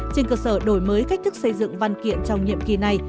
trên cơ sở đổi mới cách thức xây dựng văn kiện trong nhiệm kỳ này